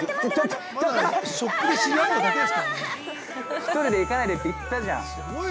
◆１人で行かないでって言ったじゃん！